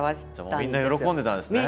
じゃあみんな喜んでたんですね。